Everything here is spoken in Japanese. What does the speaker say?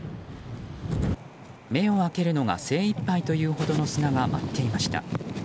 目を開けるのが精いっぱいというほどの砂が舞っていました。